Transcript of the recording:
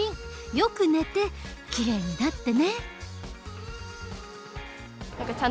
よく寝てきれいになってね。